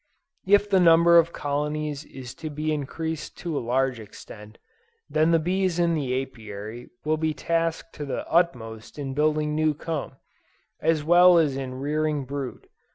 If the number of colonies is to be increased to a large extent, then the bees in the Apiary will be tasked to the utmost in building new comb, as well as in rearing brood.